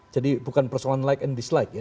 jadi bukan persoalan like and dislike ya